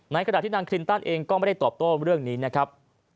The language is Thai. ขณะที่นางคลินตันเองก็ไม่ได้ตอบโต้เรื่องนี้นะครับ